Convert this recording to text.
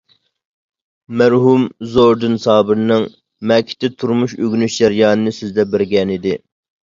مەرھۇم زورىدىن سابىرنىڭ مەكىتتە تۇرمۇش ئۆگىنىش جەريانىنى سۆزلەپ بەرگەنىدى.